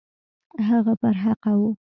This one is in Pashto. هغه پر حقه وو.